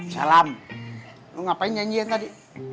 salam lo ngapain nyanyian tadi